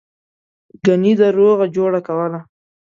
گني ده روغه جوړه کوله.